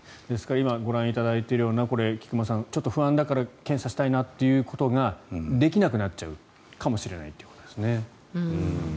今ご覧いただいているような菊間さん、不安だから検査したいなということができなくなっちゃうかもしれないということですね。